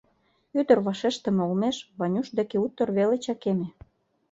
Ӱдыр вашештыме олмеш Ванюш деке утыр веле чакеме.